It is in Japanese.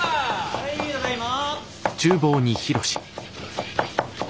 はいただいま！